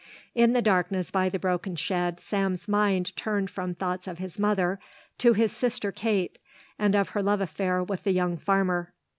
In the darkness by the broken shed Sam's mind turned from thoughts of his mother to his sister Kate and of her love affair with the young farmer.